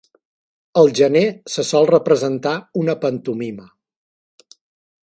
Al gener se sol representar una pantomima.